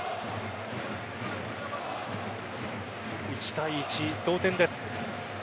１対１、同点です。